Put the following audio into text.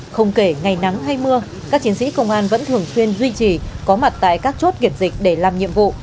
không kể ngày nắng hay mưa các chiến sĩ công an vẫn thường xuyên duy trì